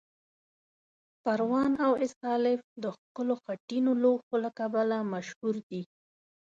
پروان او استالف د ښکلو خټینو لوښو له کبله مشهور دي.